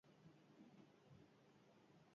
Erasotzaileek pistola eta laban bana zeramatzaten.